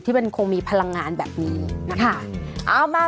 มันคงมีพลังงานแบบนี้นะคะ